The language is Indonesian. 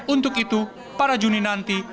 untuk itu pada juni nanti